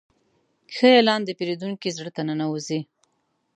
ښه اعلان د پیرودونکي زړه ته ننوځي.